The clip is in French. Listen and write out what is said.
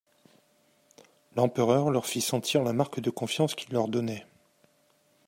L'empereur leur fit sentir la marque de confiance qu'il leur donnait.